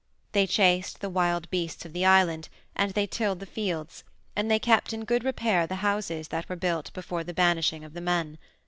They chased the wild beasts of the island, and they tilled the fields, and they kept in good repair the houses that were built before the banishing of the men.